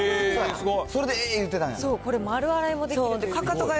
それでええ言うてたんや。